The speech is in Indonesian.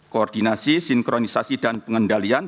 koordinasi sinkronisasi dan pengendalian